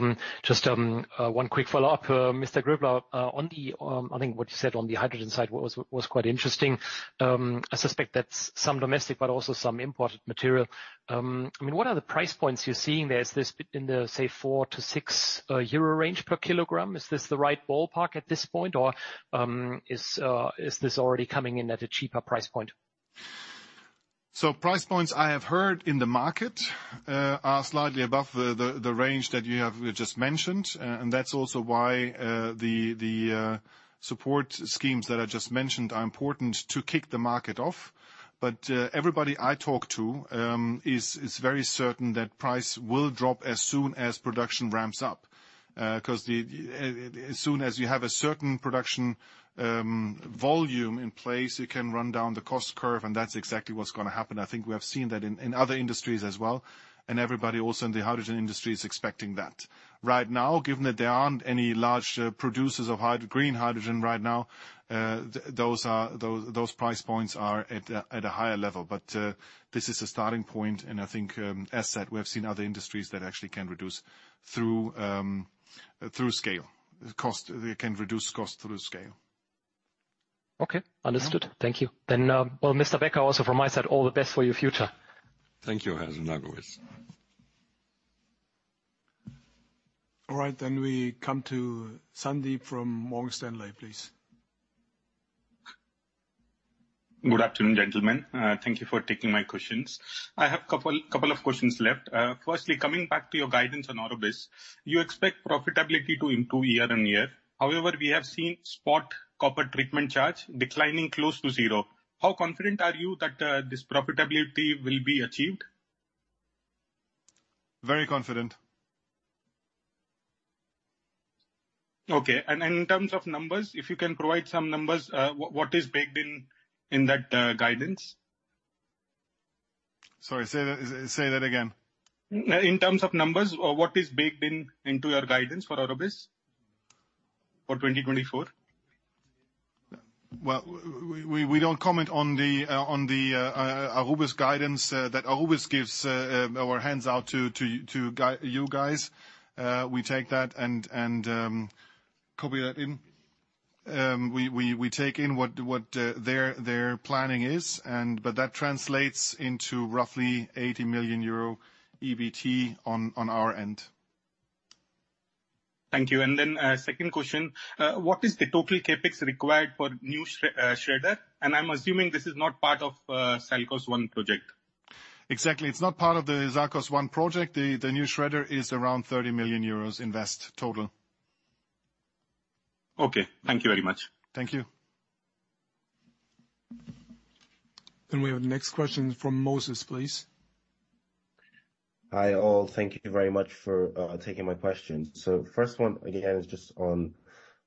Just one quick follow-up, Mr. Groebler. On the, I think what you said on the hydrogen side was quite interesting. I suspect that's some domestic, but also some imported material. I mean, what are the price points you're seeing there? Is this in the, say, 4-6 euro range per kilogram? Is this the right ballpark at this point, or is this already coming in at a cheaper price point?... So price points I have heard in the market are slightly above the range that you have just mentioned. And that's also why the support schemes that I just mentioned are important to kick the market off. But everybody I talk to is very certain that price will drop as soon as production ramps up. 'Cause as soon as you have a certain production volume in place, you can run down the cost curve, and that's exactly what's gonna happen. I think we have seen that in other industries as well, and everybody also in the hydrogen industry is expecting that. Right now, given that there aren't any large producers of hydro- green hydrogen right now, those price points are at a higher level. This is a starting point, and I think, as said, we have seen other industries that actually can reduce through scale. Cost, they can reduce cost through scale. Okay, understood. Thank you. Then, well, Mr. Becker, also from my side, all the best for your future. Thank you, Herr Synagowitz. All right, then we come to Sandeep from Morgan Stanley, please. Good afternoon, gentlemen. Thank you for taking my questions. I have couple, couple of questions left. Firstly, coming back to your guidance on Aurubis, you expect profitability to improve year on year. However, we have seen spot copper treatment charge declining close to zero. How confident are you that this profitability will be achieved? Very confident. Okay, and in terms of numbers, if you can provide some numbers, what is baked in, in that guidance? Sorry, say that, say that again. In terms of numbers, what is baked in into your guidance for Aurubis for 2024? Well, we don't comment on the Aurubis guidance. That Aurubis gives, we hand out to you guys. We take that and copy that in. We take in what their planning is, but that translates into roughly 80 million euro EBT on our end. Thank you. And then, second question: What is the total CapEx required for new shredder? And I'm assuming this is not part of SALCOS I project. Exactly. It's not part of the SALCOS I project. The new shredder is around 30 million euros investment total. Okay. Thank you very much. Thank you. Then we have the next question from Moses, please. Hi, all. Thank you very much for taking my questions. So first one, again, is just on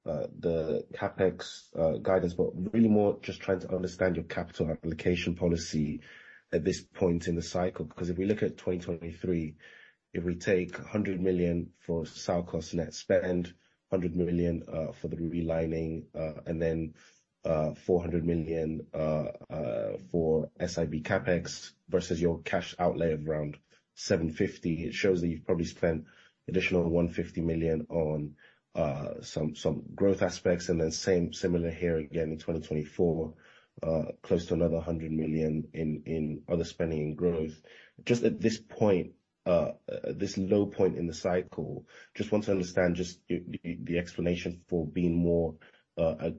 the CapEx guidance, but really more just trying to understand your capital application policy at this point in the cycle. Because if we look at 2023, if we take 100 million for SALCOS net spend, 100 million for the relining, and then 400 million for SIB CapEx versus your cash outlay of around 750 million, it shows that you've probably spent additional 150 million on some growth aspects. And then same, similar here again in 2024, close to another 100 million in other spending and growth. Just at this point, this low point in the cycle, just want to understand just the explanation for being more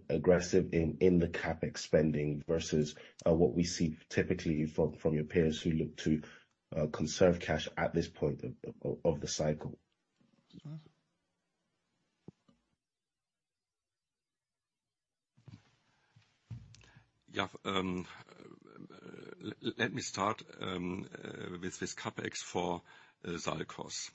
aggressive in the CapEx spending versus what we see typically from your peers who look to conserve cash at this point of the cycle. Yeah, let me start with CapEx for SALCOS.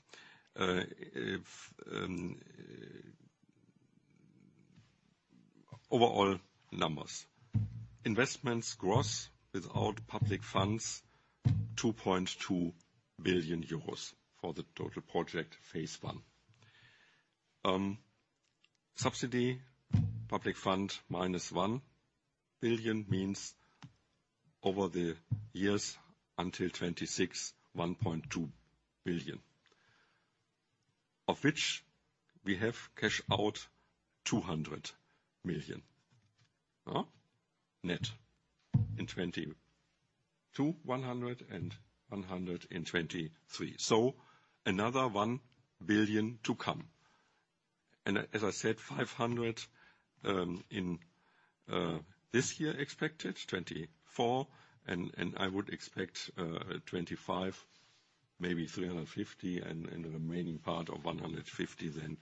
Overall numbers. Investments gross, without public funds, 2.2 billion euros for the total project, phase one. Subsidy, public fund, -1 billion, means over the years until 2026, 1.2 billion, of which we have cash out 200 million EUR net in 2022, 100 and 100 in 2023. So another 1 billion to come. And as I said, 500 in this year expected, 2024, and I would expect 2025, maybe 350, and the remaining part of 150 then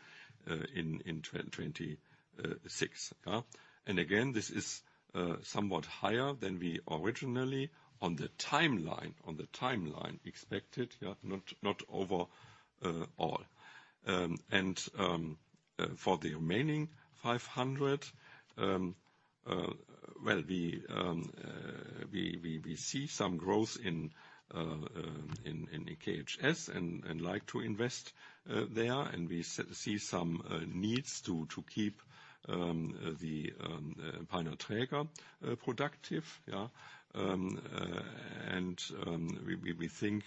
in 2026, yeah? And again, this is somewhat higher than we originally on the timeline expected, yeah, not overall. And for the remaining 500, well, we see some growth in KHS and like to invest there. And we see some needs to keep the Peine productive, yeah. And we think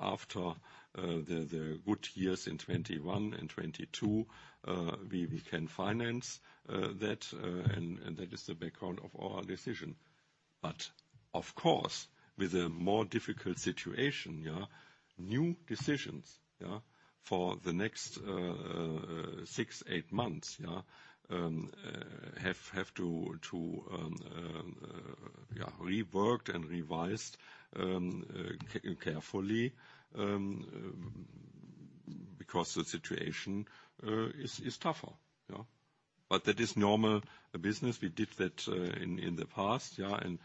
after the good years in 2021 and 2022, we can finance that, and that is the background of our decision. But of course-... with a more difficult situation, yeah, new decisions, yeah, for the next 6-8 months, yeah, have to reworked and revised carefully, because the situation is tougher, yeah. But that is normal business. We did that in the past, yeah, and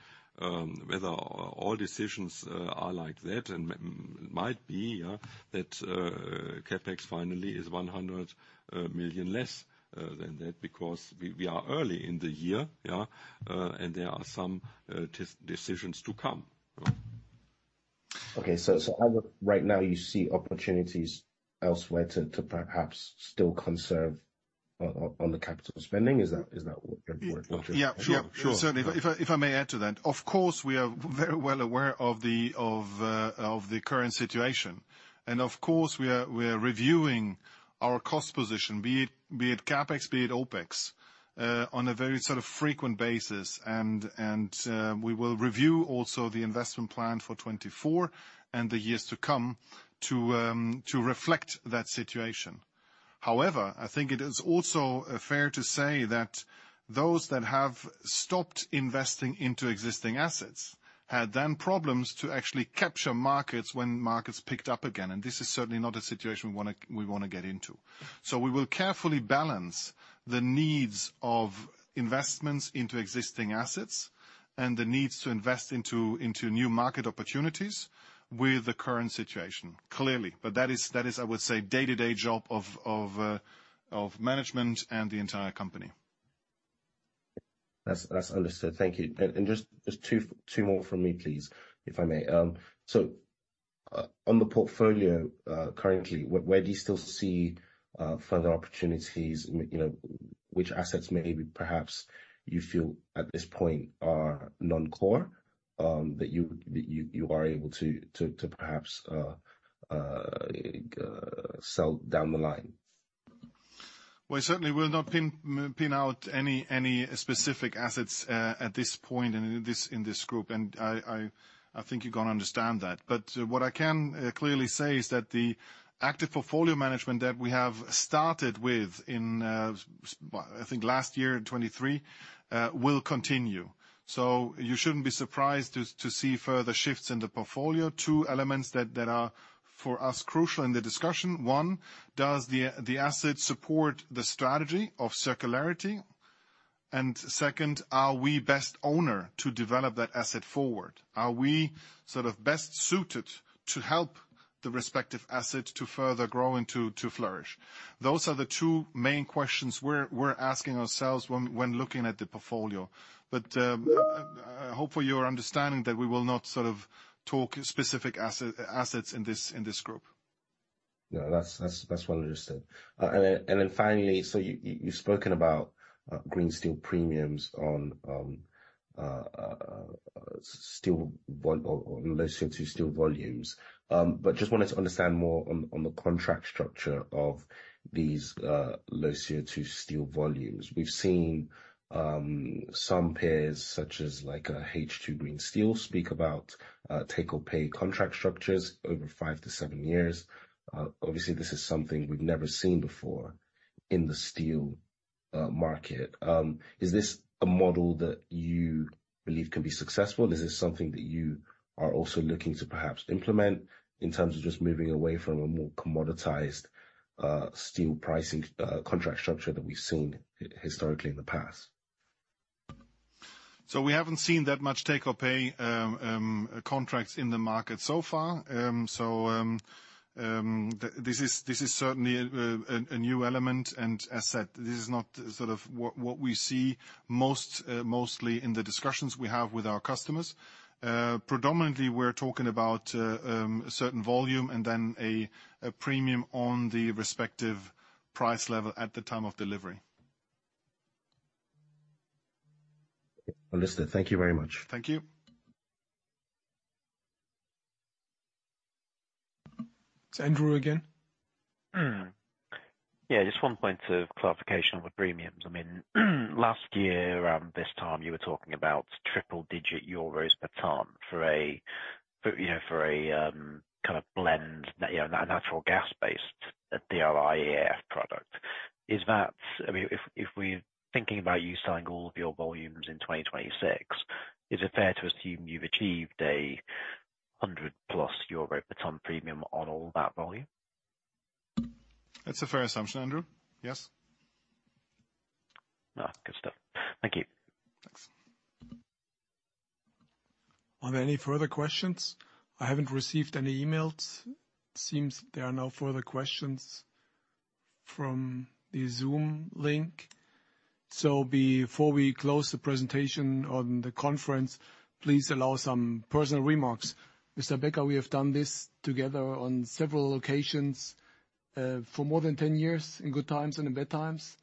whether all decisions are like that, and might be, yeah, that CapEx finally is 100 million less than that, because we are early in the year, yeah, and there are some decisions to come. Okay. So right now, you see opportunities elsewhere to perhaps still conserve on the capital spending? Is that what you're- Yeah, yeah. Sure. Certainly, if I, if I may add to that. Of course, we are very well aware of the current situation. And of course, we are reviewing our cost position, be it CapEx, be it OpEx, on a very sort of frequent basis. And we will review also the investment plan for 2024 and the years to come, to reflect that situation. However, I think it is also fair to say that those that have stopped investing into existing assets had then problems to actually capture markets when markets picked up again, and this is certainly not a situation we wanna get into. So we will carefully balance the needs of investments into existing assets and the needs to invest into new market opportunities with the current situation, clearly. But that is, I would say, day-to-day job of management and the entire company. That's, that's understood. Thank you. And, and just, just two, two more from me, please, if I may. So, on the portfolio, currently, where do you still see further opportunities? You know, which assets maybe, perhaps, you feel at this point are non-core, that you are able to perhaps sell down the line? Well, I certainly will not pinpoint any specific assets at this point in this group. And I think you're gonna understand that. But what I can clearly say is that the active portfolio management that we have started with in, well, I think last year, in 2023, will continue. So you shouldn't be surprised to see further shifts in the portfolio. Two elements that are, for us, crucial in the discussion: One, does the asset support the strategy of circularity? And second, are we best owner to develop that asset forward? Are we sort of best suited to help the respective asset to further grow and to flourish? Those are the two main questions we're asking ourselves when looking at the portfolio. Hopefully, you're understanding that we will not sort of talk specific asset, assets in this, in this group. Yeah, that's well understood. And then finally, so you've spoken about green steel premiums on low CO2 steel volumes. But just wanted to understand more on the contract structure of these low CO2 steel volumes. We've seen some peers, such as like H2 Green Steel, speak about take-or-pay contract structures over 5-7 years. Obviously, this is something we've never seen before in the steel market. Is this a model that you believe can be successful? Is this something that you are also looking to perhaps implement in terms of just moving away from a more commoditized steel pricing contract structure that we've seen historically in the past? So we haven't seen that much take-or-pay contracts in the market so far. This is certainly a new element, and as I said, this is not sort of what we see mostly in the discussions we have with our customers. Predominantly, we're talking about a certain volume and then a premium on the respective price level at the time of delivery. Understood. Thank you very much. Thank you. It's Andrew again. Yeah, just one point of clarification on the premiums. I mean, last year this time, you were talking about triple-digit EUR per ton for a, you know, for a kind of blend, you know, natural gas-based DRI/EF product. Is that... I mean, if we're thinking about you selling all of your volumes in 2026, is it fair to assume you've achieved a 100+ euro per ton premium on all that volume? That's a fair assumption, Andrew. Yes. Ah, good stuff. Thank you. Thanks. Are there any further questions? I haven't received any emails. Seems there are no further questions from the Zoom link. So before we close the presentation on the conference, please allow some personal remarks. Mr. Becker, we have done this together on several occasions for more than 10 years, in good times and in bad times.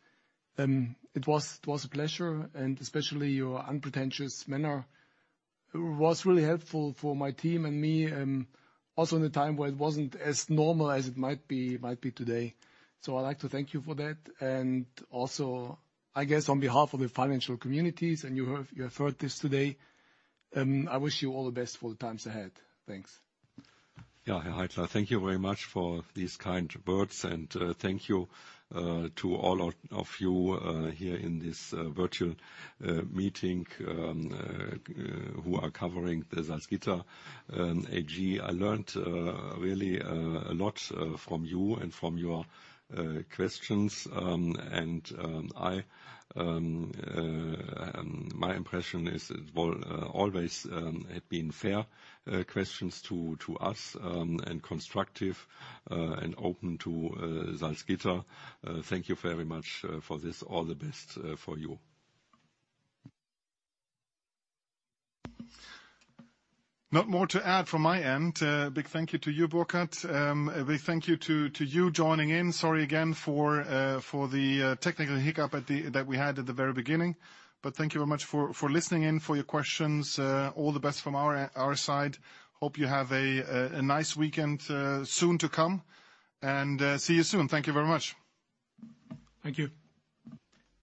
It was, it was a pleasure, and especially your unpretentious manner. It was really helpful for my team and me, also in the time where it wasn't as normal as it might be, might be today. So I'd like to thank you for that, and also, I guess, on behalf of the financial communities, and you have, you have heard this today, I wish you all the best for the times ahead. Thanks. Yeah, Herr Heidler, thank you very much for these kind words, and thank you to all of you here in this virtual meeting who are covering the Salzgitter AG. I learned really a lot from you and from your questions. And my impression is, well, always had been fair questions to us and constructive and open to Salzgitter. Thank you very much for this. All the best for you. Not more to add from my end. Big thank you to you, Burkhard. A big thank you to you joining in. Sorry again for the technical hiccup that we had at the very beginning. But thank you very much for listening in, for your questions. All the best from our side. Hope you have a nice weekend soon to come, and see you soon. Thank you very much. Thank you.